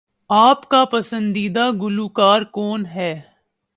آپ کا پسندیدہ گلوکار کون ہے؟